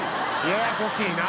ややこしいな！